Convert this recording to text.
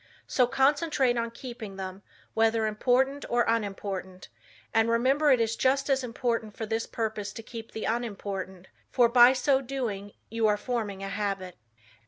So concentrate on keeping them, whether important or unimportant, and remember it is just as important for this purpose to keep the unimportant, for by so doing you are forming the habit.